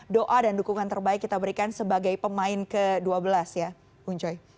doa dan dukungan terbaik kita berikan sebagai pemain ke dua belas ya bung joy